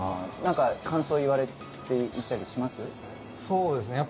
何か感想言われていったりします？